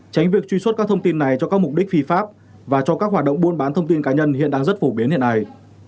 tránh việc truy xuất các thông tin này cho các mục đích phi pháp và cho các hoạt động buôn bán thông tin cá nhân hiện đang rất phổ biến hiện nay